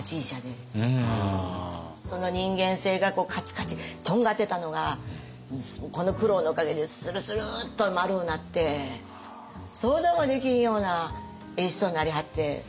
その人間性がカチカチとんがってたのがこの苦労のおかげでスルスルーッと丸うなって想像もできひんようなええ人になりはって。